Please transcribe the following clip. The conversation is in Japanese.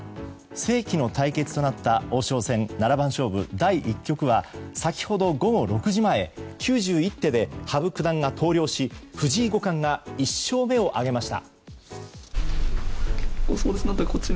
世紀の対決となった王将戦七番勝負第１局は先ほど午後６時前、９１手で羽生九段が投了し藤井五冠が１勝目を挙げました。